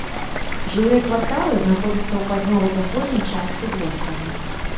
Жылыя кварталы знаходзяцца ў паўднёва-заходняй частцы вострава.